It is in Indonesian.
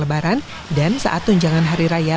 lebaran dan saat tunjangan hari raya